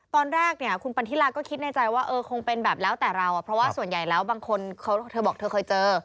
ตอนแรกเนี่ยคุณปันธิลาก็คิดในใจว่าเออคงเป็นแบบแล้วแต่เราเพราะว่าส่วนใหญ่แล้วบางคนเธอบอกเธอเคยเจอ